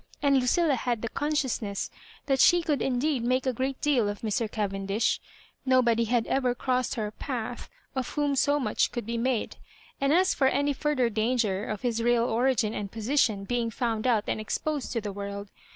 And Lucilla had the consciousness that she could indeed make a great deal of Mr. Caven dish. Nobody had ever crossed her path of whom so much could be made ; and as for any further danger of his real origin and position being found out and exposed to the world.